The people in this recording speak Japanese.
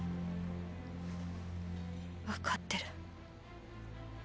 わかってる。